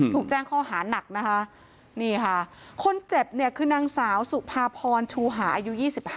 ถูกแจ้งข้อหานักนะคะนี่ค่ะคนเจ็บเนี่ยคือนางสาวสุภาพรชูหาอายุ๒๕